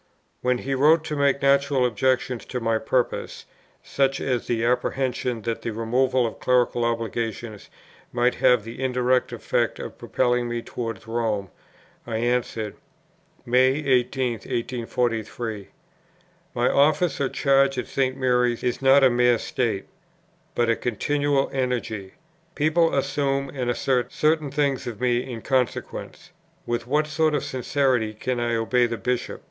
When he wrote to make natural objections to my purpose, such as the apprehension that the removal of clerical obligations might have the indirect effect of propelling me towards Rome, I answered: "May 18, 1843.... My office or charge at St. Mary's is not a mere state, but a continual energy. People assume and assert certain things of me in consequence. With what sort of sincerity can I obey the Bishop?